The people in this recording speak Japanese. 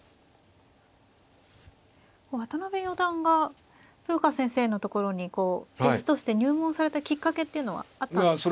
渡辺四段が豊川先生のところに弟子として入門されたきっかけっていうのはあったんですか。